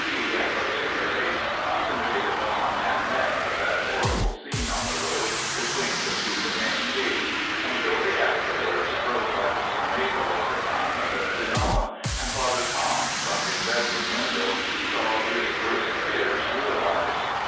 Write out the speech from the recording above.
C., and Auxiliaries concentrated on and met at that horrible scene on the road between the two demesne gates, and shortly afterwards broke like a tornado on the townland of Cloonalla, and Father Tom, from his bedroom window, saw his worst fears realised.